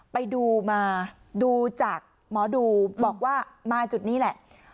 ไปดูมาดูจากหมอดูบอกว่ามาจุดนี้แหละ